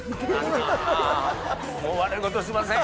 「もう悪いことしません！」